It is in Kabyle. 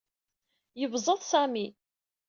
Yebẓeḍ Sami.